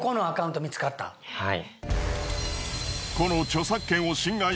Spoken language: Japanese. はい。